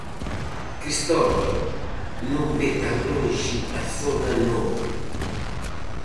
Cristóbal non ve tan lonxe a zona nobre.